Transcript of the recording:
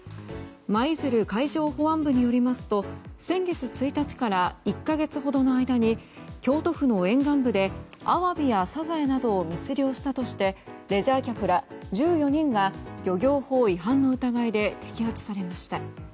舞鶴海上保安部によりますと先月１日から１か月ほどの間に京都府の沿岸部でアワビやサザエなどを密猟したとしてレジャー客ら１４人が漁業法違反の疑いで摘発されました。